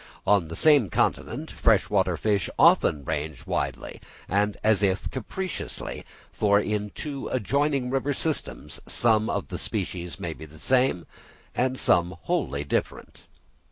On the same continent fresh water fish often range widely, and as if capriciously; for in two adjoining river systems some of the species may be the same and some wholly different.